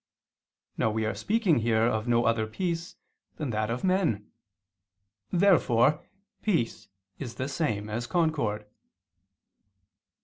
Now we are speaking here of no other peace than that of men. Therefore peace is the same as concord.